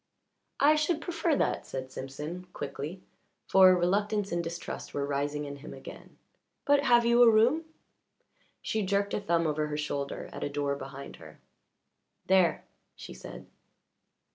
"I should prefer that," said Simpson quickly, for reluctance and distrust were rising in him again. "But have you a room?" She jerked a thumb over her shoulder at a door behind her. "There," she said.